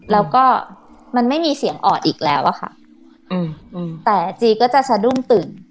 แล้วก็มันไม่มีเสียงออดอีกแล้วอะค่ะแต่จีก็จะสะดุ้งตื่น